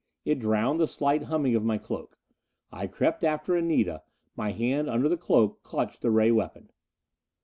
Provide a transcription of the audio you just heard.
It drowned the slight humming of my cloak. I crept after Anita; my hand under the cloak clutched the ray weapon.